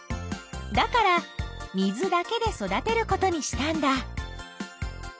だから水だけで育てることにしたんだ。